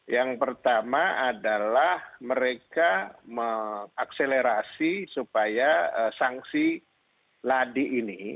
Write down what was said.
yang pertama adalah mereka mengakselerasi supaya sanksi ladi ini